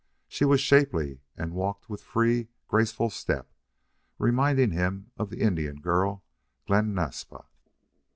She was shapely and walked with free, graceful step, reminding him of the Indian girl, Glen Naspa.